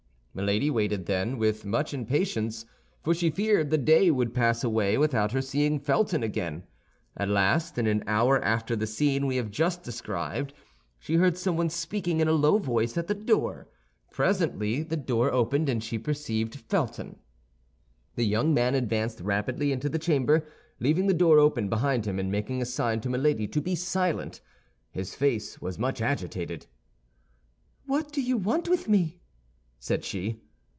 Milady waited, then, with much impatience, for she feared the day would pass away without her seeing Felton again. At last, in an hour after the scene we have just described, she heard someone speaking in a low voice at the door. Presently the door opened, and she perceived Felton. The young man advanced rapidly into the chamber, leaving the door open behind him, and making a sign to Milady to be silent; his face was much agitated. "What do you want with me?" said she.